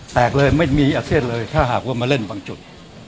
แตกเลยไม่มีอาเซียนเลยถ้าหากว่ามาเล่นบางจุด